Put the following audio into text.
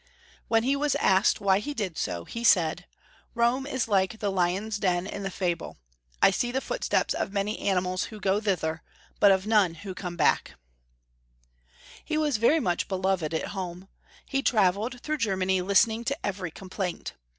When he was asked why he did so, he said, " Rome is like the lion's den in the fable ; I see the footsteps 198 Young Folks^ History of Grermany. of many animals who go thither, but of none who come back." He was very much beloved at home. He trav eled through Germany listening to every com plaint.